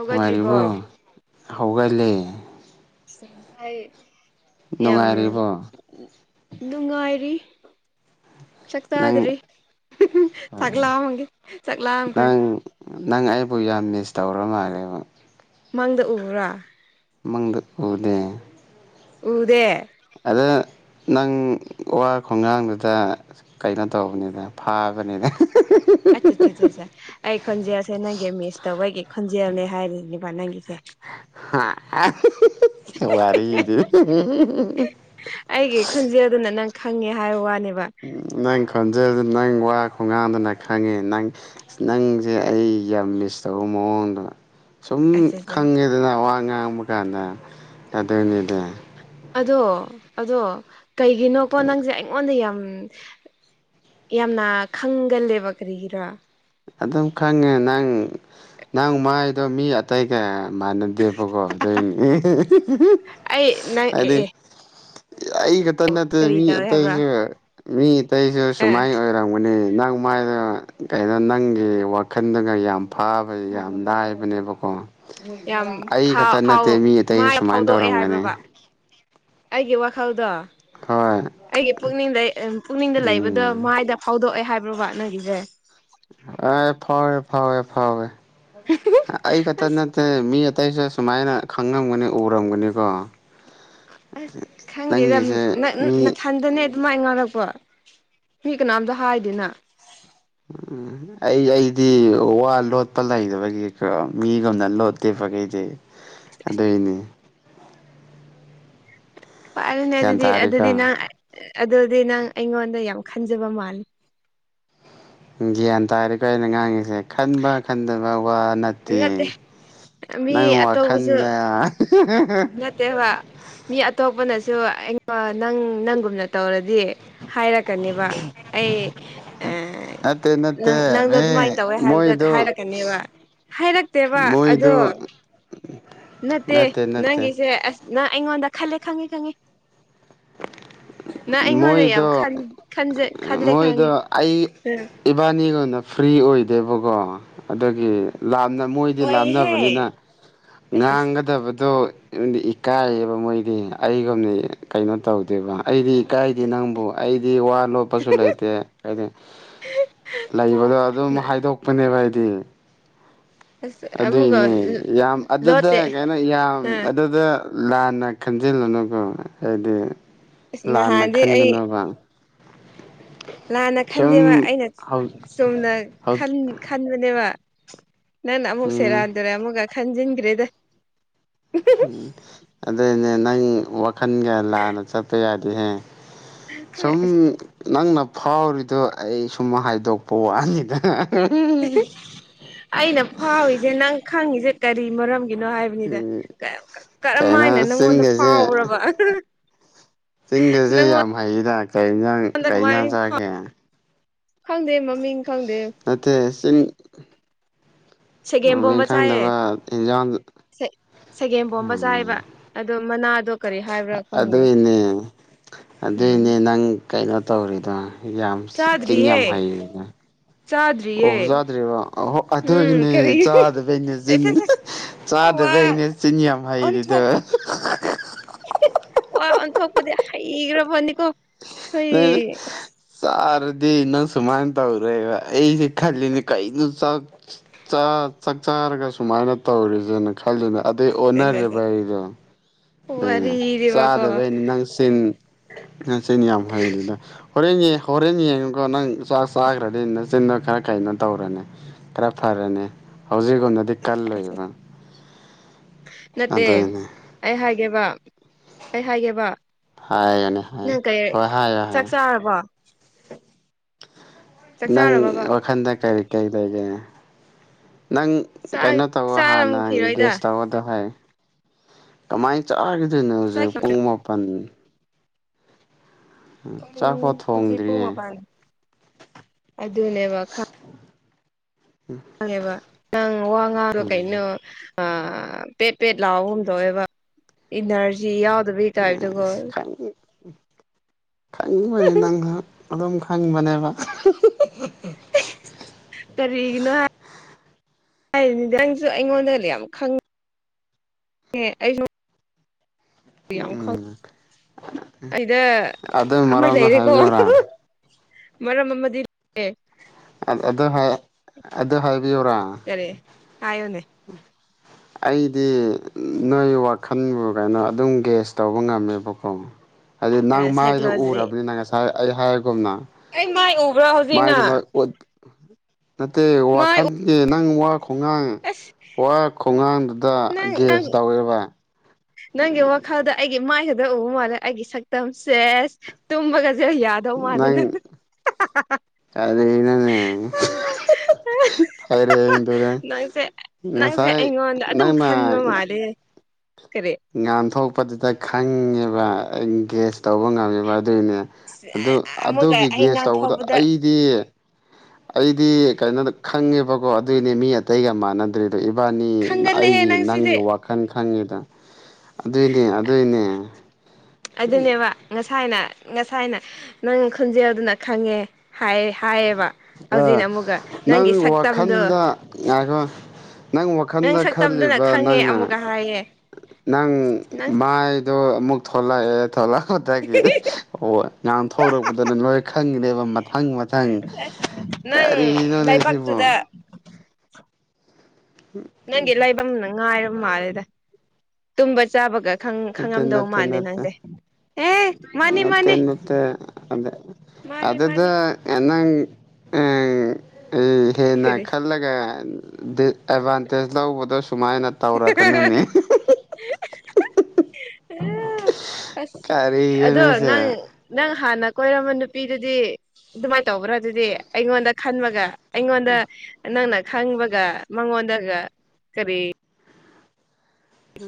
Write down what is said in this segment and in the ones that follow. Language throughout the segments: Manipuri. ꯅꯨꯡꯉꯥꯏꯔꯤꯕꯣ ꯍꯧꯒꯜꯂꯦ ꯌꯥꯝ ꯅꯨꯡꯉꯥꯏꯔꯤꯕꯣ ꯅꯨꯡꯉꯥꯏꯔꯤ ꯆꯥꯛ ꯅꯪ ꯆꯥꯗ꯭ꯔꯤ ꯆꯥꯛ ꯂꯥꯝꯃꯒꯦ ꯆꯥꯛ ꯂꯥꯝꯈ꯭ꯔꯦ ꯅꯪ ꯅꯪ ꯑꯩꯕꯨ ꯌꯥꯝ ꯃꯤꯁ ꯇꯧꯔ ꯃꯥꯜꯂꯦꯕ ꯃꯪꯗ ꯎꯕ꯭ꯔꯥ ꯃꯪꯗ ꯎꯗꯦ ꯎꯗꯦ ꯑꯗꯨꯅ ꯅꯪ ꯋꯥ ꯈꯨꯉꯥꯡꯗꯨꯗ ꯀꯩꯅꯣ ꯇꯧꯕꯅꯤꯗ ꯐꯥꯕꯅꯤꯗ ꯑꯠ ꯆꯥ ꯆꯥ ꯆꯥ ꯆꯥ ꯑꯩ ꯈꯣꯟꯖꯦꯜꯁꯦ ꯅꯪꯒꯤ ꯃꯤꯁ ꯇꯧꯕꯒꯤ ꯈꯣꯟꯖꯦꯜꯅꯦ ꯍꯥꯏꯔꯤꯅꯦꯕ ꯅꯪꯒꯤꯁꯦ ꯍꯥ ꯍꯣꯏ ꯋꯥꯔꯤꯗꯤ ꯑꯩꯒꯤ ꯈꯣꯟꯖꯦꯜꯗꯨꯅ ꯅꯪ ꯈꯪꯉꯦ ꯍꯥꯏꯕ ꯋꯥꯅꯦꯕ ꯎꯨ ꯅꯪ ꯈꯣꯟꯖꯦꯜꯗ ꯅꯪ ꯋꯥ ꯈꯨꯉꯥꯡꯗꯨꯅ ꯈꯪꯉꯦ ꯅꯪ ꯅꯪꯁꯦ ꯑꯩ ꯌꯥꯝ ꯃꯤꯁ ꯇꯧꯕ ꯃꯑꯣꯡꯗ ꯁꯨꯝ ꯑꯠꯆꯥꯆꯥ ꯈꯪꯉꯦꯗꯅ ꯋꯥ ꯉꯥꯡꯕꯀꯥꯟꯗ ꯑꯗꯨꯅꯦꯗꯅ ꯑꯗꯣ ꯑꯗꯣ ꯀꯩꯒꯤꯅꯣꯀꯣ ꯅꯪꯁꯦ ꯑꯩꯉꯣꯟꯗ ꯌꯥꯝ ꯌꯥꯝꯅ ꯈꯪꯒꯜꯂꯦꯕ ꯀꯔꯤꯒꯤꯔꯥ ꯑꯗꯨꯝ ꯈꯪꯉꯦ ꯅꯪ ꯅꯪ ꯃꯥꯏꯗꯣ ꯃꯤ ꯑꯇꯩꯒ ꯃꯥꯅꯗꯦꯕꯀꯣ ꯑꯗꯨꯢꯅꯤ ꯑꯦ ꯅꯪ ꯑꯦ ꯑꯦ ꯑꯩ ꯈꯛꯇ ꯅꯠꯇꯦ ꯀꯔꯤ ꯃꯤ ꯇꯧꯋꯦ ꯍꯥꯏꯕ꯭ꯔꯥ ꯑꯇꯩꯁꯨ ꯃꯤ ꯑꯇꯩꯁꯨ ꯑꯦ ꯁꯨꯃꯥꯏ ꯑꯣꯏ ꯔꯝꯒꯅꯤ ꯅꯪ ꯃꯥꯏꯗꯣ ꯀꯩꯅꯣ ꯅꯪ ꯅꯪꯒꯤ ꯋꯥꯈꯜꯗꯒ ꯌꯥꯝ ꯐꯥꯕ ꯌꯥꯝ ꯂꯥꯏꯕꯅꯦꯕꯀꯣ ꯌꯥꯝ ꯑꯩ ꯈꯛꯇ ꯅꯠꯇꯦ ꯐꯥꯎ ꯃꯤ ꯃꯥ ꯑꯇꯩꯁꯨ ꯁꯨꯃꯥꯏꯅ ꯐꯥꯎꯗꯣꯛꯑꯦ ꯇꯧꯔꯝꯒꯅꯤ ꯍꯥꯏꯕ꯭ꯔꯕ ꯑꯩꯒꯤ ꯋꯥꯈꯜꯗꯣ ꯍꯣꯏ ꯑꯩꯒꯤ ꯄꯨꯛꯅꯤꯡ ꯂꯩ ꯑꯥ ꯄꯨꯛꯅꯤꯡꯗ ꯂꯩꯕꯗꯣ ꯎꯝ ꯃꯥꯏꯗ ꯐꯥꯎꯗꯣꯛꯑꯦ ꯍꯥꯏ ꯕ꯭ꯔꯣꯕ ꯅꯪꯒꯤꯁꯦ ꯑꯥ ꯐꯥꯎꯔꯦ ꯐꯥꯎꯋꯦ ꯐꯥꯎꯋꯦ ꯑꯥ ꯑꯩ ꯈꯛꯇ ꯑꯁ ꯅꯠꯇꯦ ꯃꯤ ꯑꯇꯩꯁꯨ ꯁꯨꯃꯥꯏꯅ ꯈꯪꯉꯝꯒꯅꯤ ꯎꯔꯝꯒꯅꯤꯀꯣ ꯑꯁ ꯈꯪꯗꯦꯗ ꯅꯪꯒꯤꯁꯦ ꯅꯥ ꯃꯤ ꯅꯊꯟꯗꯅꯦ ꯑꯗꯨꯃꯥꯏ ꯉꯥꯡꯔꯛꯄ ꯃꯤ ꯀꯅꯥꯝꯇ ꯍꯥꯏꯗꯦꯅ ꯎꯝ ꯑꯩ ꯑꯩꯗꯤ ꯋꯥ ꯂꯣꯠꯄ ꯂꯩꯗꯕꯒꯤ ꯀꯣ ꯃꯤꯒꯨꯝꯅ ꯂꯣꯠꯇꯦꯕ ꯒꯩꯗꯤ ꯑꯗꯨꯏꯅꯦ ꯄꯥꯔꯅꯦ ꯒ꯭ꯌꯥꯟ ꯑꯗꯨꯗꯤ ꯇꯥꯔꯦꯀꯣ ꯑꯗꯨꯗꯤ ꯅꯪ ꯑꯗꯨꯗꯤ ꯅꯪ ꯑꯩꯉꯣꯟꯗ ꯌꯥꯝ ꯈꯟꯖꯕ ꯃꯥꯜꯂꯦ ꯒ꯭ꯌꯥꯟ ꯇꯥꯔꯦꯀꯣ ꯑꯩꯅ ꯉꯥꯡꯉꯤꯁꯦ ꯈꯟꯕ ꯈꯟꯗꯕ ꯋꯥ ꯅꯠ ꯇꯦ ꯅꯠꯇꯦ ꯃꯤ ꯅꯪ ꯑꯇꯧꯕꯁꯨ ꯋꯥꯈꯟꯗ ꯅꯠꯇꯦꯕ ꯃꯤ ꯑꯇꯣꯞꯄꯅꯁꯨ ꯑꯩꯉ ꯅꯪ ꯅꯪꯒꯨꯝꯅ ꯇꯧꯔꯗꯤ ꯍꯥꯏꯔꯛꯀꯅꯦꯕ ꯑꯩ ꯑꯥ ꯅꯠꯇꯦ ꯅꯠꯇꯦ ꯅꯪ ꯅꯪꯗꯨ ꯃꯤ ꯑꯗꯨꯃꯥꯏꯅ ꯇꯧꯋꯦ ꯍꯥꯏꯕꯗ ꯃꯣꯏꯗꯣ ꯍꯥꯏꯔꯛꯀꯅꯦꯕ ꯍꯥꯏꯔꯛꯇꯦꯕ ꯑꯗꯣ ꯃꯣꯏꯗꯣ ꯅꯠꯇꯦ ꯅꯪꯒꯤ ꯁꯦ ꯑꯁ ꯅꯪ ꯑꯩꯉꯣꯟꯗ ꯈꯜꯂꯦ ꯈꯪꯉꯦ ꯈꯪꯉꯦ ꯅꯪ ꯑꯩꯉꯣꯟꯗ ꯌꯥꯝ ꯃꯣꯏꯗꯣ ꯈꯟ ꯈꯟꯖ ꯈꯜꯂꯦ ꯈꯪꯒꯦ ꯏꯕꯥꯅꯤꯒꯨꯅ ꯐ꯭ꯔꯤ ꯑꯣꯏꯗꯦꯕꯀꯣ ꯑꯗꯨꯒꯤ ꯂꯥꯝꯅ ꯃꯣꯏꯗꯤ ꯑꯣꯏꯍꯦ ꯂꯥꯝꯅꯕꯅꯤꯅ ꯑꯁ ꯑꯁ ꯉꯥꯡꯒꯗꯕꯗꯣ ꯌꯨꯝꯗꯤ ꯏꯀꯥꯏꯌꯦꯕ ꯃꯣꯏꯗꯤ ꯑꯩꯒꯨꯝꯅꯤ ꯀꯩꯅꯣ ꯇꯧꯗꯦꯕ ꯑꯩꯗꯤ ꯀꯥꯏꯗꯤ ꯅꯪꯕꯨ ꯑꯩꯗꯤ ꯋꯥ ꯂꯣꯠꯄꯁꯨ ꯂꯩꯇꯦ ꯍꯥꯏꯗꯤ ꯂꯩꯕꯗꯣ ꯑꯗꯨꯝ ꯍꯥꯏꯗꯣꯛꯄꯅꯦꯕ ꯑꯩꯗꯤ ꯑꯁ ꯑꯃꯨꯛꯀ ꯑꯗꯨꯏꯅꯦ ꯌꯥꯝ ꯑꯗꯨꯗ ꯂꯣꯠꯇꯦ ꯀꯩꯅꯣ ꯌꯥꯝ ꯑꯥ ꯑꯗꯨꯗ ꯂꯥꯟꯅ ꯈꯟꯖꯤꯜꯂꯨꯅꯨꯀꯦ ꯍꯥꯏꯗꯤ ꯑꯁ ꯂꯥꯟꯅ ꯅꯍꯥꯟꯗꯤ ꯑꯩ ꯈꯟꯒꯅꯣꯕ ꯂꯥꯟꯅ ꯈꯟꯗꯦꯕ ꯁꯨꯝ ꯑꯩꯅ ꯍꯧ ꯆꯨꯝꯅꯥ ꯍꯧ ꯈꯟ ꯈꯟꯕꯅꯦꯕ ꯅꯪꯅ ꯑꯃꯨꯛ ꯎꯝ ꯁꯦꯔꯥꯟꯇꯨꯔꯟ ꯑꯃꯨꯛꯀ ꯈꯟꯖꯤꯟꯈ꯭ꯔꯦꯗ ꯎꯝ ꯑꯗꯨꯏꯅꯦ ꯅꯪ ꯋꯥꯈꯜꯒ ꯂꯥꯟꯅ ꯆꯠꯄ ꯌꯥꯗꯦꯍꯦ ꯁꯨꯝ ꯑꯁ ꯅꯪꯅ ꯐꯥꯎꯔꯤꯗꯣ ꯑꯩ ꯁꯨꯝ ꯍꯥꯏꯗꯣꯛꯄ ꯋꯥꯅꯤꯗ ꯑꯩꯅ ꯐꯥꯎꯔꯤꯁꯦ ꯅꯪ ꯈꯪꯉꯤꯁꯦ ꯀꯔꯤ ꯃꯔꯝꯒꯤꯅꯣ ꯍꯥꯏꯕ ꯄꯥꯅꯤꯗ ꯀꯔꯝ ꯀꯩꯅꯣ ꯍꯥꯏꯅ ꯅꯪꯉꯣꯟꯗ ꯆꯤꯟꯒꯁꯦ ꯐꯥꯎꯕꯔꯕ ꯆꯤꯡꯒꯁꯦ ꯌꯥꯝ ꯍꯩꯗ ꯀꯩ ꯌꯦꯟꯁꯪ ꯍꯟꯗꯛꯃꯥꯏ ꯐꯅ [unintelligible] ꯈꯪꯗꯦ ꯃꯃꯤꯡ ꯈꯪꯗꯦ ꯅꯥꯇꯦ ꯆꯤꯡ ꯁꯦꯒꯦꯝ ꯃꯃꯤꯡ ꯄꯣꯝꯕ ꯈꯪꯗꯕ ꯆꯥꯏꯌꯦ ꯏꯟꯖꯥꯡ ꯁꯦꯒꯦꯝ ꯄꯣꯝꯕ ꯎꯝ ꯆꯥꯏꯕ ꯑꯗꯣ ꯃꯅꯥꯗꯣ ꯀꯔꯤ ꯍꯥꯏꯕ꯭ꯔꯥ ꯈꯪꯗꯦ ꯑꯗꯨꯏꯅꯦ ꯎꯝ ꯑꯗꯨꯏꯅꯦ ꯅꯪ ꯀꯩꯅꯣ ꯇꯧꯔꯤꯗꯣ ꯌꯥꯝ ꯆꯤꯟ ꯌꯥꯝ ꯆꯥꯗ꯭ꯔꯤꯌꯦ ꯍꯩꯌꯤꯅ ꯑꯣ ꯆꯥꯗ꯭ꯔꯤꯌꯦ ꯆꯥꯗ꯭ꯔꯤꯕ ꯑ ꯎꯝ ꯑꯗꯨꯒꯤꯅꯦ ꯀꯔꯤ ꯆꯥꯗꯕꯩꯅꯦ ꯁꯦꯁ ꯆꯤꯟ ꯁꯦꯁ ꯁꯦꯁ ꯋꯥ ꯆꯗꯕꯩꯅꯦ ꯆꯤꯟꯌꯥꯝ ꯍꯩꯔꯤꯗꯨ ꯑꯣꯟꯊꯣꯛ ꯋꯥ ꯑꯣꯟꯊꯣꯛꯄꯗꯤ ꯍꯩꯒꯔꯥꯄꯣꯠꯅꯤꯀꯣ [unintelligible] ꯆꯥꯔꯗꯤ ꯅꯪ ꯁꯨꯃꯥꯏ ꯇꯧꯔꯣꯏꯕ ꯑꯩꯁꯦ ꯈꯜꯂꯤꯅꯤ ꯀꯩꯅꯣ ꯆꯥꯛ ꯆꯥ ꯆꯥꯛ ꯆꯥꯔꯒ ꯁꯨꯃꯥꯏꯅ ꯇꯧꯔꯤꯁꯦꯅ ꯈꯜꯂꯤꯅꯤ ꯑꯗꯩꯏ ꯑꯣꯟꯅꯔꯦꯕ ꯑꯩꯗꯣ ꯑꯗꯩꯏꯅꯦ ꯋꯥꯔꯤꯗꯤꯕꯀꯣ ꯆꯥꯗꯕꯩꯅꯦ ꯅꯪ ꯆꯤꯟ ꯅꯪ ꯆꯤꯟ ꯌꯥꯝ ꯍꯩꯅꯤꯗꯣ ꯍꯣꯔꯦꯟꯌꯦ ꯍꯣꯔꯦꯟ ꯌꯦꯡꯉꯨꯀꯣ ꯅꯪ ꯆꯥꯛ ꯆꯥꯈ꯭ꯔꯗꯤ ꯅꯆꯤꯟꯗꯣ ꯈꯔ ꯀꯩꯅꯣ ꯇꯧꯔꯅꯤ ꯈꯔꯥ ꯐꯔꯅꯤ ꯍꯧꯖꯤꯛꯒꯨꯝꯅꯗꯤ ꯀꯜꯂꯣꯏꯕ ꯅꯠꯇꯦ ꯑꯗꯨꯏꯅꯦ ꯑꯩ ꯍꯥꯏꯒꯦꯕ ꯑꯩ ꯍꯥꯏꯒꯦꯕ ꯍꯥꯏꯒꯅꯤ ꯍꯥꯏ ꯅꯪ ꯀꯩ ꯍꯣꯏ ꯍꯥꯏꯌꯣ ꯆꯥꯛ ꯍꯥꯏꯌꯣ ꯆꯥꯔꯕꯣ ꯆꯥꯛ ꯅꯪ ꯆꯥꯔꯕꯕ ꯋꯥꯈꯟꯗ ꯀꯔꯤ ꯀꯩ ꯂꯩꯒꯦ ꯅꯪ ꯀꯩꯅꯣ ꯇꯧꯋꯣ ꯍꯥꯟꯅ ꯆꯥꯔꯝꯈꯤꯔꯣꯏꯗ ꯒꯦꯁ ꯇꯧꯋꯣꯗꯣ ꯍꯣꯏ ꯀꯃꯥꯏ ꯆꯥꯈꯤꯗꯣꯏꯅꯣ ꯍꯧꯖꯤꯛ ꯄꯨꯡ ꯆꯥꯈꯤꯔꯣꯏ ꯃꯥꯄꯟ ꯄꯨꯡ ꯆꯥꯛꯐꯥꯎ ꯍꯧꯖꯤꯛ ꯄꯨꯡ ꯊꯣꯡꯗ꯭ꯔꯤꯌꯦ ꯃꯄꯥꯜ ꯑꯗꯨꯅꯦꯕ ꯈꯥꯡ ꯈꯪꯉꯤꯕ ꯅꯪ ꯋꯥ ꯉꯥꯡꯗꯣ ꯀꯩꯅꯣ ꯑ ꯄꯦꯠ ꯄꯦꯠ ꯂꯥꯎꯕꯒꯨꯝ ꯇꯣꯌꯦꯕ ꯏꯅꯔꯖꯤ ꯌꯥꯎꯗꯕꯒꯤ ꯇꯥꯏꯞꯇꯀꯣ ꯎ ꯈꯡꯕꯅꯦ ꯅꯪ ꯑꯗꯨꯝ ꯈꯪꯕꯅꯦꯕ ꯀꯔꯤꯒꯤꯅꯣ ꯍꯥꯏ ꯅꯪꯁꯨ ꯑꯩꯉꯣꯟꯗ ꯌꯥꯝ ꯈꯪ ꯉꯥ ꯑꯩꯁꯨ ꯌꯥꯝ ꯈꯪ ꯎꯝ ꯑꯩꯗ ꯑꯗꯨ ꯑꯃ ꯃꯔꯝꯗꯣ ꯂꯩꯔꯦꯀꯣ ꯍꯥꯏꯕꯤꯌꯨꯔꯥ ꯃꯔꯝ ꯑꯃꯗꯤ ꯂꯩ ꯑꯥ ꯑꯗꯨ ꯍꯥꯏ ꯑꯗꯨ ꯍꯥꯏꯕꯤꯌꯣꯔꯥ ꯍꯥꯏꯌꯣꯅꯦ [unintelligible] ꯑꯩꯗꯤ ꯅꯣꯏ ꯋꯥꯈꯟꯕꯨ ꯀꯩꯅꯣ ꯑꯗꯨꯝ ꯒ꯭ꯦꯁ ꯇꯧꯕ ꯉꯝꯃꯦꯕꯀꯣ ꯍꯥꯏꯗꯤ ꯅꯪ ꯃꯥꯏꯗꯣ ꯁꯥꯏꯀꯣꯂꯣꯖꯤ ꯎꯔꯕꯅꯤꯅ ꯉꯁꯥꯏ ꯑꯩ ꯍꯥꯏꯒꯨꯝꯅ ꯑꯩ ꯃꯥꯏ ꯎꯕ꯭ꯔꯥ ꯍꯧꯖꯤꯛꯅ ꯃꯥꯏꯗꯨ ꯈꯔ ꯎꯠ ꯅꯠꯇꯦ ꯃꯥꯏ ꯋꯥꯈꯜꯒꯤ ꯅꯪ ꯋꯥ ꯈꯨꯉꯥꯡ ꯑꯁ ꯋꯥ ꯈꯨꯉꯥꯡꯗꯨꯗ ꯅꯪ ꯅꯪ ꯒ꯭ꯌꯥꯁ ꯇꯧꯋꯦꯕ ꯅꯪꯒꯤ ꯋꯥꯈꯜꯗ ꯑꯩꯒꯤ ꯃꯥꯏ ꯈꯛꯗ ꯎꯕ ꯃꯥꯜꯂꯦ ꯑꯩꯒꯤ ꯁꯛꯇꯝ ꯁꯦꯁ ꯇꯨꯝꯕꯒꯁꯦ ꯌꯥ ꯅꯪ ꯀꯔꯤꯅꯣꯅꯦ ꯐꯩꯔꯦꯡ ꯇꯨꯔꯦꯡ ꯅꯪꯁꯦ ꯅꯪꯁꯦ ꯉꯁꯥꯏ ꯑꯩꯉꯣꯟꯗ ꯑꯗꯨꯝ ꯅꯪꯅ ꯈꯟꯕ ꯃꯥꯜꯂꯦ ꯀꯔꯤ ꯉꯥꯥꯟꯊꯣꯛꯄꯗꯨꯗ ꯈꯪꯉꯦꯕ ꯑꯩ ꯒꯦꯁ ꯇꯧꯕ ꯉꯝꯃꯦꯕ ꯑꯗꯨꯏꯅꯤ ꯑꯗꯨ ꯑꯃꯨꯛꯀ ꯑꯗꯨꯒꯤ ꯑꯩ ꯒꯦꯁ ꯇꯧꯕꯗꯣ ꯉꯥꯡꯊꯧꯕꯗ ꯑꯩ ꯗꯤ ꯑꯩꯗꯤ ꯀꯩꯅꯣꯗ ꯈꯪꯉꯦꯕꯀꯣ ꯑꯗꯨꯒꯤꯅꯤ ꯃꯤ ꯑꯇꯩꯒ ꯃꯥꯟꯅꯗ꯭ꯔꯤ ꯗꯨ ꯏꯕꯥꯟꯅꯤ ꯈꯪꯒꯠꯂꯦꯍꯦ ꯑꯩꯒꯤ ꯅꯪ ꯅꯪꯒꯤ ꯁꯤꯗꯤ ꯋꯥꯈꯟ ꯈꯪꯉꯤꯗꯨ ꯑꯗꯨꯏꯅꯦ ꯑꯗꯨꯏꯅꯦ ꯑꯗꯨꯅꯦꯕ ꯉꯁꯥꯏꯅ ꯉꯁꯥꯏꯅ ꯅꯪ ꯈꯨꯟꯖꯦꯜꯗꯨꯅ ꯈꯪꯉꯦ ꯍꯥꯏ ꯍꯥꯏꯌꯦꯕ ꯑꯥ ꯍꯧꯖꯤꯛꯅ ꯑꯃꯨꯛꯀ ꯅꯪ ꯅꯪꯒꯤ ꯁꯛꯇꯝꯗꯣ ꯋꯥꯈꯜꯗ ꯉꯥꯏꯈꯣ ꯅꯪ ꯋꯥꯈꯜꯗ ꯁꯛꯇꯝꯗꯨꯅ ꯈꯜꯂꯤꯕ ꯈꯪꯉꯦ ꯅꯪꯅ ꯑꯃꯨꯛꯀ ꯍꯥꯏꯌꯦ ꯅꯪ ꯅꯪ ꯃꯥꯏ ꯗꯣ ꯑꯃꯨꯛ ꯊꯣꯛꯂꯛꯑꯦ ꯊꯣꯛꯂꯛꯄꯗꯒꯤ ꯑꯣ ꯉꯥꯡꯊꯂꯛꯄꯗꯨꯅ ꯂꯣꯏ ꯈꯪꯉꯤꯅꯦꯕ ꯃꯊꯪ ꯃꯊꯪ ꯅꯪ ꯀꯔꯤꯅꯣꯅꯦ ꯁꯤꯕꯨ ꯂꯩꯕꯛꯇꯨꯗ [unintelligible] ꯅꯪꯒꯤ ꯂꯥꯏꯐꯝꯅ ꯉꯥꯏꯔꯕ ꯃꯥꯜꯂꯦꯗ ꯇꯨꯝꯕ ꯆꯥꯕꯒ ꯈꯪ ꯅꯠꯇꯦ ꯈꯪꯉꯝꯗꯧ ꯅꯠꯇꯦ ꯃꯥꯥꯟꯗꯦ ꯅꯠꯇꯦ ꯅꯪꯁꯦ ꯑꯦ ꯃꯥꯅꯤ ꯅꯠꯇꯦ ꯃꯥꯅꯤ ꯅꯠꯇꯦ ꯑꯗꯥ ꯃꯥꯅꯤ ꯃꯥꯅꯤ ꯑꯗꯨꯗ ꯅꯪ ꯍꯦꯟꯅ ꯀꯔꯤ ꯈꯜꯂꯒ [unintelligible] ꯑꯦꯗꯚꯥꯟꯇꯦꯖ ꯂꯧꯕꯗꯣ ꯁꯨꯃꯥꯏꯅ ꯇꯧꯔꯛꯀꯅꯨꯅꯦ ꯑꯁ ꯑꯗꯣ ꯅꯪ ꯀꯔꯤꯅꯣꯅꯦꯁꯦ ꯅꯪ ꯍꯥꯟꯅ ꯀꯣꯏꯔꯝꯕ ꯅꯨꯄꯤꯗꯨꯗꯤ ꯑꯗꯨꯃꯥꯏꯟ ꯇꯧꯕ꯭ꯔꯥ ꯑꯗꯨꯗꯤ ꯑꯩꯉꯣꯟꯗ ꯈꯟꯕꯒ ꯑꯩꯉꯣꯟꯗ ꯅꯪꯅ ꯈꯪꯕꯒ ꯃꯉꯣꯟꯗꯒ ꯀꯔꯤ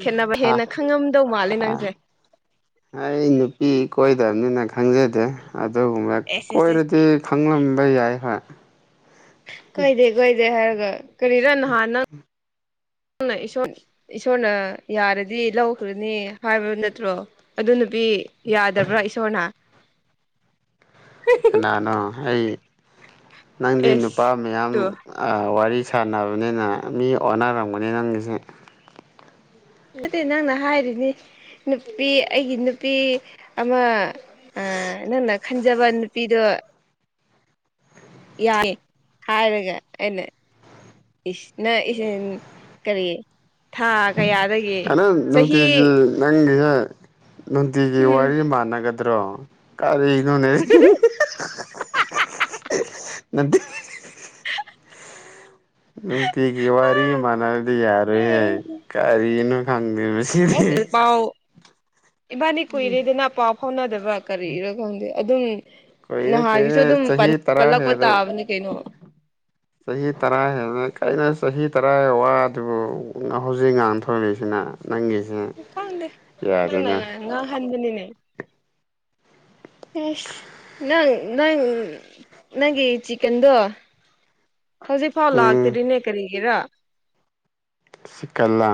ꯈꯦꯠꯅꯕ ꯍꯦꯟꯅ ꯈꯪꯉꯝꯗꯧ ꯃꯥꯜꯂꯤ ꯅꯪꯁꯦ ꯑꯩ ꯅꯨꯄꯤ ꯀꯣꯏꯗꯕꯅꯤꯅ ꯈꯪꯖꯗꯦ ꯑꯗꯨꯒꯨꯝꯕ ꯑꯦꯁ ꯑꯦꯁ ꯑꯦꯁ ꯀꯣꯏꯔꯗꯤ ꯈꯪꯂꯝꯕ ꯌꯥꯏ ꯍꯣꯏ ꯀꯥꯏꯗꯦ ꯀꯥꯏꯗꯦ ꯍꯥꯏꯔꯒ ꯀꯔꯤꯔ ꯅꯍꯥꯟ ꯅꯪ [unintelligible] ꯏꯁꯣꯏ ꯏꯁꯣꯔꯅ ꯌꯥꯔꯗꯤ ꯂꯧꯈ꯭ꯔꯅꯤ ꯍꯥꯏꯕ ꯅꯠꯇ꯭ꯔꯣ ꯑꯗꯨ ꯅꯨꯄꯤ ꯌꯥꯗꯕ꯭ꯔꯥ ꯏꯁꯣꯔꯅ [unintelligible] ꯀꯅꯥꯅꯣ ꯑꯩ ꯅꯪꯗꯤ ꯑꯦꯁ ꯅꯨꯄꯥ ꯃꯌꯥꯝ ꯇꯨ ꯑꯥ ꯋꯥꯔꯤ ꯁꯥꯟꯅꯕꯅꯤꯅ ꯃꯤ ꯑꯣꯟꯅꯔꯝꯒꯅꯤ ꯅꯪꯒꯤꯁꯤ ꯅꯠꯇꯦ ꯅꯪꯅ ꯍꯥꯏꯔꯤꯅꯤ ꯅꯨꯄꯤ ꯑꯩꯒꯤ ꯅꯨꯄꯤ ꯑꯃ ꯑꯥ ꯅꯪꯅ ꯈꯟꯖꯕ ꯅꯨꯄꯤꯗꯣ ꯌꯥꯏ ꯍꯥꯏꯔꯒ ꯑꯩꯅ ꯢꯁ ꯅꯥ ꯏꯁ ꯀꯔꯤ ꯊꯥ ꯀꯌꯥꯗꯒꯤ ꯑꯥ ꯅꯪ ꯅꯨꯡꯇꯤꯒꯤ ꯆꯍꯤ ꯅꯪꯒꯤ ꯍꯦ ꯅꯨꯡꯇꯤꯒꯤ ꯎꯝ ꯋꯥꯔꯤ ꯃꯥꯟꯅꯒꯗ꯭ꯔꯣ ꯀꯔꯤꯅꯣꯅꯦ ꯅꯝꯊꯤ ꯅꯨꯡꯇꯤꯒꯤ ꯋꯥꯔꯤ ꯃꯥꯟꯅꯔꯗꯤ ꯌꯥꯔꯣꯏꯍꯦ ꯀꯔꯤꯅꯣ ꯈꯪꯗꯦꯃꯤ ꯑꯦꯁ ꯑꯦ ꯄꯥꯎ ꯏꯕꯥꯅꯤ ꯀꯨꯏꯔꯦꯗꯅ ꯄꯥꯎ ꯐꯥꯎꯅꯗꯕ ꯀꯔꯤꯔ ꯈꯪꯗꯦ ꯑꯗꯨꯝ ꯀꯨꯏꯔꯦ ꯅꯍꯥꯒꯤꯁꯨ ꯀꯨꯏꯔꯦ ꯑꯗꯨꯝ ꯄꯟ ꯆꯍꯤ ꯇꯔꯥ ꯄꯜꯂꯛꯄ ꯍꯦꯜꯂꯦ ꯇꯥꯕꯅꯤ ꯀꯩꯅꯣ ꯆꯍꯤ ꯇꯔꯥ ꯍꯦꯟꯅ ꯀꯩꯅꫭ ꯆꯍꯤ ꯇꯔꯥꯒꯤ ꯋꯥꯗꯨꯕꯨ ꯍꯧꯖꯤꯛ ꯉꯥꯟꯊ ꯐꯔꯦꯁꯤꯅ ꯅꯪꯒꯤ ꯎꯝ ꯈꯪꯗꯦ ꯅꯪꯅ ꯉꯥꯡꯍꯟꯕꯅꯤꯅꯦ ꯏꯁ ꯅꯪ ꯅꯪ ꯅꯪꯒꯤ ꯆꯤꯛꯀꯟꯗꯣ ꯍꯧꯖꯤꯛꯐꯥꯎ ꯎꯝ ꯂꯥꯛꯇ꯭ꯔꯤꯅꯦ ꯀꯔꯤꯒꯤꯔ ꯆꯤꯛꯀꯜꯂꯥ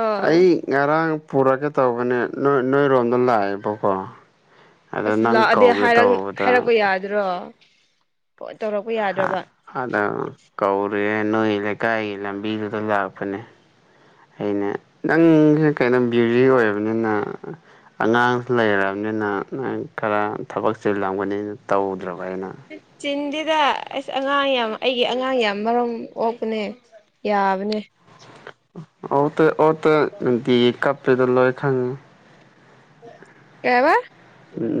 ꯑꯥ ꯑꯩ ꯉꯔꯥꯡ ꯄꯨꯔꯛꯀꯦ ꯇꯧꯕꯅꯦ ꯅꯣꯏ ꯅꯣꯏꯔꯣꯝꯗ ꯂꯥꯛꯑꯦꯕꯀꯣ ꯑꯗ ꯑꯁ ꯅꯪ ꯂꯥꯛꯑꯗꯤ ꯀꯧꯒꯦ ꯍꯥꯏꯔꯛ ꯇꯧꯕꯗ ꯍꯥꯏꯔꯛꯄ ꯌꯥꯗ꯭ꯔꯣ ꯐꫭꯟ ꯇꯧꯔꯛꯄ ꯌꯥꯗ꯭ꯔꯕ ꯍꯟꯅ ꯀꯧꯔꯦ ꯅꯣꯏ ꯂꯩꯀꯥꯏꯒꯤ ꯂꯝꯕꯤꯗꯨꯗ ꯂꯥꯛꯄꯅꯦ ꯑꯩꯅ ꯅꯪꯖꯦ ꯀꯩꯅꯣ ꯕꯨꯏꯖꯤ ꯑꯣꯏꯕꯅꯤꯅ ꯑꯉꯥꯡ ꯂꯩꯔꯝꯅꯤꯅ ꯅꯪ ꯈꯔ ꯊꯕꯛ ꯆꯤꯜꯂꯝꯒꯅꯤꯅ ꯇꯧꯗ꯭ꯔꯕ ꯑꯩꯅ ꯏꯁ ꯆꯤꯟꯗꯦꯗ ꯑꯁ ꯑꯉꯥꯡ ꯌꯥꯝ ꯑꯩꯒꯤ ꯑꯉꯥꯡ ꯌꯥꯝ ꯃꯔꯝ ꯑꯣꯛꯄꯅꯦ ꯌꯥꯕꯅꯦ ꯑꯣꯛꯇꯦ ꯑꯣꯛꯇꯦ ꯅꯨꯡꯇꯤꯒꯤ ꯀꯞꯄꯤꯗꫭ ꯂꯣꯏ ꯈꯪꯉꯦ ꯀꯩ ꯍꯥꯏꯕ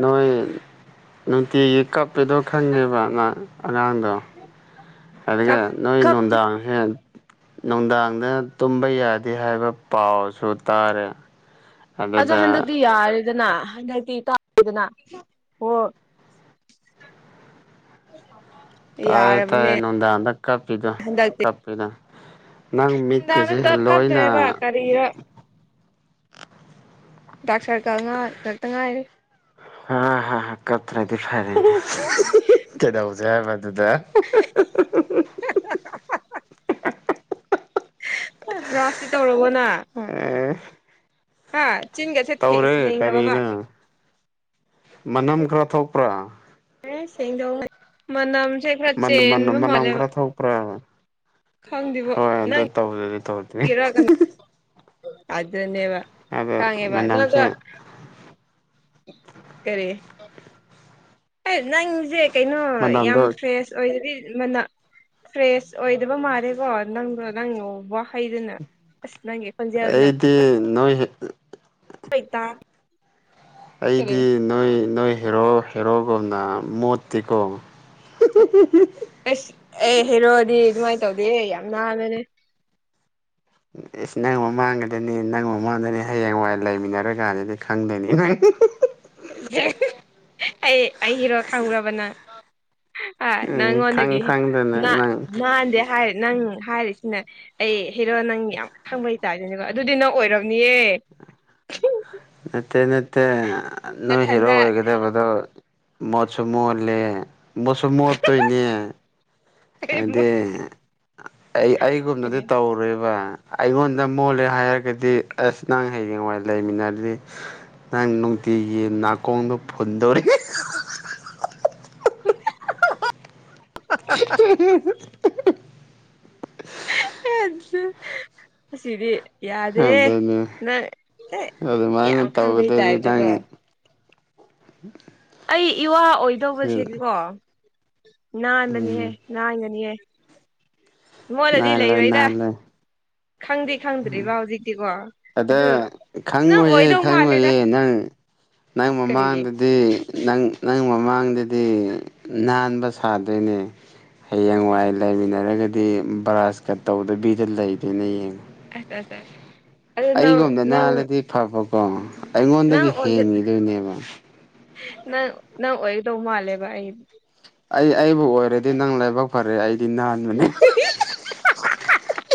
ꯅꯣꯏ ꯅꯨꯡꯇꯤꯒꯤ ꯀꯞꯄꯤꯗꯣ ꯈꯪꯉꯦꯕ ꯑꯉꯥꯡꯗꯣ ꯑꯗꯨꯒ ꯀꯞ ꯅꯣꯏ ꯀꯞꯇꯦ ꯅꯨꯡꯗꯥꯡ ꯍꯦꯛ ꯅꯨꯡꯗꯥꯡꯗ ꯇꯨꯝꯕ ꯌꯥꯗꯦ ꯍꯥꯏꯕ ꯄꯥꯎꯁꯨ ꯇꯥꯔꯦ ꯑꯗꯣ ꯑꯗꯨꯗ ꯍꯟꯗꯛꯇꯤ ꯌꯥꯔꯦꯗꯅ ꯍꯟꯗꯛ [unintelligible] ꯇꯥꯅꯦꯗꯅ ꯍꯣ ꯇꯥꯏꯌꯦ ꯇꯥꯏ ꯅꯨꯡꯗꯥꯡꯗ ꯀꯞꯄꯤꯗꫭ ꯍꯟꯗꯛꯇꯤ ꯀꯞꯄꯤꯗꫭ ꯅꯪ ꯅꯨꯡꯗꯥꯡꯗ ꯃꯤꯠꯀꯖꯦ ꯇꯞ ꯂꯣꯏꯅ ꯀꯞꯇ꯭ꯔꯦꯕ ꯀꯔꯤꯔ ꯗꯥꯛ ꯁꯔꯀꯜꯉꯥ ꯉꯥꯛꯇ ꯉꯥꯏꯔꯦ ꯍꯥ ꯍꯥ ꯍꯥ ꯀꯞꯇ꯭ꯔꯗꯤ ꯐꯔꯦꯅꯦ ꯀꯩꯗꯧꯖꯦ ꯍꯥꯏꯕ ꯗꯨꯗ [inaudible] ꯕ꯭ꯔꯥꯁꯇꯤ ꯇꯧꯔꯕꯣ ꯅꯪ ꯑꯦ ꯍꯥ ꯆꯤꯟꯒꯁꯦ ꯇꯧꯔꯦ ꯁꯦꯡꯂꯕꯕ ꯀꯔꯤꯅꯣ ꯃꯅꯝ ꯈꯔ ꯊꯣꯛꯄ꯭ꯔꯥ ꯑꯦ ꯁꯦꯡꯗꯧ [unintelligible] ꯃꯅꯝꯁꯦ ꯈꯔ ꯆꯦꯟꯕ ꯃꯅꯝ ꯃꯥꯜꯂꯦꯕ ꯈꯔ ꯊꯣꯛꯄ꯭ꯔꯥ ꯈꯪꯗꯦꯕꯣ ꯍꯣꯏ ꯑꯗꯨ ꯅꯪ ꯇꯧꯗ꯭ꯔꯗꯤ ꯇꯧꯗ꯭ꯔꯤ ꯒꯤꯔ ꯀꯅꯥ ꯑꯗꯨꯅꯦꯕ ꯑꯗ ꯈꯪꯉꯦꯕ ꯅꫭꯏꯒ ꯃꯅꯝꯁꯦ ꯀꯔꯤ ꯑꯦ ꯅꯪꯖꯦ ꯀꯩꯅꯣ ꯌꯥꯝ ꯃꯅꯝꯗꯣ ꯐ꯭ꯔꯦꯁ ꯑꯣꯏꯗꯨꯗꯤ ꯃꯅꯥ ꯐ꯭ꯔꯦꯁ ꯑꯣꯏꯗꯕ ꯃꯥꯜꯂꯦꯀꯣ ꯅꯪꯗꯣ ꯅꯪ ꯋꯥꯍꯩꯗꯨꯅ ꯑꯁ ꯅꯪꯒꯤ ꯈꯣꯟꯖꯦꯜꯗꯨꯅ ꯑꯩꯗꯤ ꯅꯣꯏꯒꯤ ꯍꫭꯏ ꯗꯥ ꯑꯩꯗꯤ ꯅꫭꯏ ꯅꯣꯏ ꯍꯦꯔꯣ ꯍꯦꯔꯣꯒꯨꯝꯅ ꯃꯣꯠꯇꯤꯀꯣ ꯑꯩꯁ ꯑꯩ ꯍꯦꯔꯣꯗꯤ ꯑꯗꯨꯃꯥꯏ ꯇꯧꯗꯦꯍꯦ ꯌꯥꯝ ꯅꯥꯟꯕꯅꯦ ꯑꯦꯁ ꯅꯪ ꯃꯃꯥꯡꯒꯥꯗꯅꯤ ꯅꯪ ꯃꯃꯥꯡꯗꯅꯤ ꯍꯌꯦꯡꯋꯥꯏ ꯂꯩꯃꯤꯟꯅꯔꯀꯥꯟꯗꯗꯤ ꯈꯪꯗꯅꯤ ꯅꯪ ꯑꯩ ꯑꯩꯔꯣ ꯈꯡꯕ꯭ꯔꯥꯕ ꯅꯪ ꯑꯥ ꯎꯝ ꯈꯪ ꯅꯪꯉꯣꯟꯗꯒꯤ ꯈꯪꯗꯅ ꯅꯥꯟ ꯅꯪ ꯅꯥꯟꯗꯦ ꯍꯥꯏ ꯅꯪ ꯍꯥꯏꯔꯤꯁꯤꯅ ꯑꯩ ꯍꯦꯔꯣ ꯅꯪ ꯌꯥꯝ ꯈꯪꯕꯩ ꯇꯥꯏꯞꯗꯅꯤꯀꯣ ꯑꯗꯨꯗꯤ ꯅꯪ ꯑꯣꯏꯝꯅꯤꯌꯦ ꯅꯠꯇꯦ ꯅꯠꯇꯦ ꯅꯣꯏ ꯍꯦꯔꯣ ꯅꯊꯟꯗ ꯑꯣꯏꯒꯥꯗꯕꯗꯣ ꯃꯣꯁꯨ ꯃꯣꯠꯂꯦ ꯃꯣꯁꯨ ꯃꯣꯠꯇꯣꯏꯅꯦ ꯍꯥꯏꯗꯤ ꯑꯩ ꯑꯩꯒꯨꯝꯅꯗꯤ ꯇꯧꯔꯣꯏꯕ ꯑꯩꯉꯣꯟꯗ ꯃꯣꯜꯂꯦ ꯍꯥꯏꯔꯒꯥꯗꯤ ꯑꯁ ꯅꯪ ꯍꯌꯦꯡꯋꯥꯏ ꯂꯩꯃꯤꯟꯅꯔꯤ ꯅꯪ ꯅꯨꯡꯇꯤꯒꯤ ꯅꯥꯀꯣꯡꯗꯣ ꯐꯨꯟꯗꯧꯔꯤ [unintelligible] [unintelligible] ꯑꯁꯤꯗꯤ ꯌꯥꯗꯦ ꯑꯗꯨꯅꯤ ꯅꯪ ꯑꯦ ꯑꯗꯨꯃꯥꯏꯅ ꯌꯥꯝ ꯈꯪꯕꯩ ꯇꯧꯒꯗꯗꯤ ꯇꯥꯥꯏꯞꯗꯀꯣ ꯅꯪ ꯑꯩ ꯏꯋꯥ ꯑꯣꯏꯗꯧꯕꯁꯦꯀꯣ ꯅꯥꯟꯕꯅꯦꯍꯦ ꯎꯝ ꯅꯥꯟꯒꯥꯅꯤꯍꯦ ꯃꯣꯠꯂꯗꯤ ꯅꯥꯜꯂꯣꯏ ꯂꯩꯔꯣꯏꯗꯥ ꯅꯥꯜꯂꯣꯏ ꯈꯪꯗꯤ ꯈꯪꯗ꯭ꯔꯤꯕ ꯍꯧꯖꯤꯛꯇꯤꯀꯣ ꯑꯗꯥ ꯑꯗꯨ ꯅꯪ ꯈꯪꯉꯣꯏꯌꯦ ꯑꯣꯏꯗꯧ ꯃꯥꯜꯂꯦꯗ ꯈꯪꯉꯣꯏꯌꯦ ꯅꯪ ꯅꯪ ꯀꯔꯤꯒꯤ ꯃꯃꯥꯡꯗ ꯗꯤ ꯅꯪ ꯅꯪ ꯃꯃꯥꯡꯗꯗꯤ ꯅꯥꯟꯕ ꯁꯥꯗꯣꯏꯅꯦ ꯍꯌꯦꯡꯋꯥꯏ ꯂꯩꯃꯤꯟꯅꯔꯒꯥꯗꯤ ꯕ꯭ꯔꯥꯁ ꯀꯥ ꯇꯧꯗꯕꯤꯗ ꯂꯩꯗꯣꯏꯅꯦ ꯌꯦꯡꯉꯣ ꯑꯁ ꯑꯁ ꯑꯁ ꯑꯗꯨ ꯅꯪ ꯑꯩꯒꯨꯝꯅ ꯅꯪ ꯅꯥꯜꯂꯗꯤ ꯐꯕꯀꯣ ꯅꯪ ꯑꯩꯉꯣꯟꯗꯥꯒꯤ ꯑꯣꯏ ꯍꯦꯟꯒꯤꯗꯣꯏꯅꯦꯕ ꯅꯪ ꯅꯪ ꯑꯣꯏꯒꯗꯧ ꯃꯥꯂꯦꯕ ꯑꯩ ꯑꯩ ꯑꯩꯕꯨ ꯑꯣꯏꯔꯗꯤ ꯅꯪ ꯂꯥꯏꯕꯛ ꯐꯔꯑꯦ ꯑꯩꯗꯤ ꯅꯍꯟꯕꯅꯤ [unintelligible]